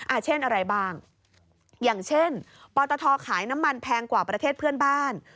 เช่นอะไรบ้างอย่างเช่นปตทขายน้ำมันแพงกว่าประเทศเพื่อนบ้าน